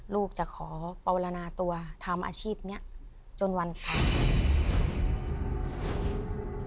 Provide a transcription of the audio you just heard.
ลูกจะขอปวนาตัวทำอาชีพนี้จนวันขาด